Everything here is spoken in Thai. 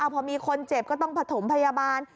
พอมีคนเจ็บก็ต้องผสมพยาบาล